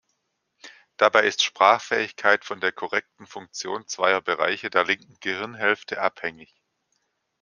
Dabei ist Sprachfähigkeit von der korrekten Funktion zweier Bereiche der linken Gehirnhälfte abhängig.